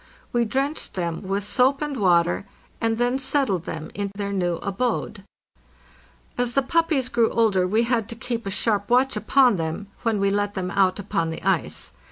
We drenched them with soap and water, and then settled them in their new abode. As the puppies grew older we had to keep a sharp watch upon them when we let them out upon the ice.